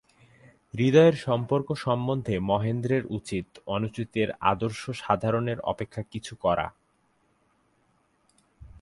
হৃদয়ের সম্পর্ক সম্বন্ধে মহেন্দ্রের উচিত-অনুচিতের আদর্শ সাধারণের অপেক্ষা কিছু কড়া।